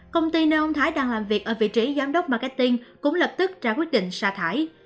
công ty nơi ông thái đang làm việc ở vị trí giám đốc marketing cũng lập tức ra quyết định xa thải